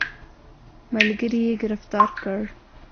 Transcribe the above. ملګري یې ګرفتار کړ.